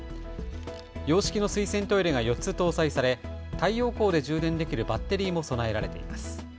洋式の水洗トイレが４つ搭載され太陽光で充電できるバッテリーも備えられています。